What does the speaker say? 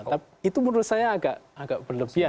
tapi itu menurut saya agak berlebihan